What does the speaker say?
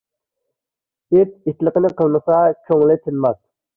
ئىت ئىتلىقىنى قىلمىسا كۆڭلى تىنماس.